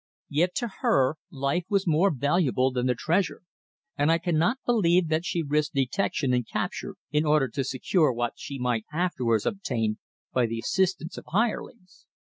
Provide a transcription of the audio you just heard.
Yet to her, life was more valuable than the treasure, and I cannot believe that she risked detection and capture in order to secure what she might afterwards obtain by the assistance of hirelings."